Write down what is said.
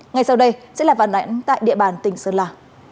ngay sau đây sẽ là vạn ảnh tại địa bàn tỉnh sơn la